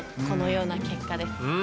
このような結果です。